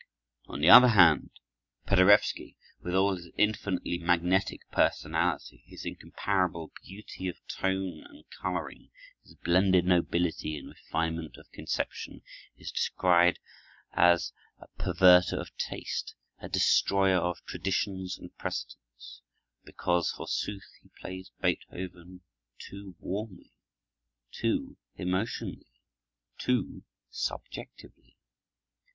On the other hand, Paderewski, with all his infinitely magnetic personality, his incomparable beauty of tone and coloring, his blended nobility and refinement of conception, is decried as a perverter of taste, a destroyer of traditions and precedents, because, forsooth, he plays Beethoven too warmly, too emotionally, too subjectively.